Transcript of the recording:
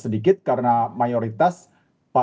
di mana readau kita